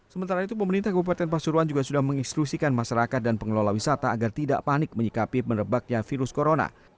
sementara itu pemerintah kabupaten pasuruan juga sudah menginstrusikan masyarakat dan pengelola wisata agar tidak panik menyikapi merebaknya virus corona